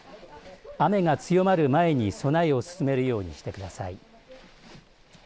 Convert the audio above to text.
雨が強まる前に備えを進めるようにしてください。